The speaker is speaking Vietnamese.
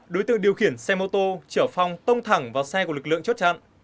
đối tượng điều khiển xe mô tô chở phong tông tông thẳng vào xe của lực lượng chốt chặn